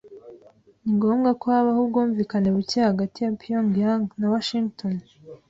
Ni ngombwa ko habaho ubwumvikane buke hagati ya Pyongyang na Washington